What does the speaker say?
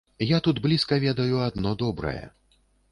Я тут блізка ведаю адно добрае.